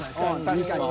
確かに。